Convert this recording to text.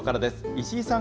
石井さん